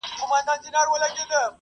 د کښتۍ له منځه پورته واویلا وه `